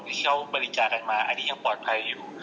ที่เขาบริจาคกันมาอันนี้ยังปลอดภัยอยู่